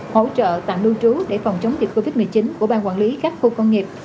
hỗ trợ tạm lưu trú để phòng chống dịch covid một mươi chín của ban quản lý các khu công nghiệp